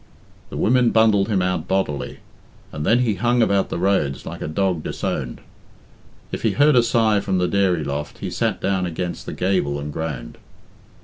The women bundled him out bodily, and then he hung about the roads like a dog disowned. If he heard a sigh from the dairy loft, he sat down against the gable and groaned.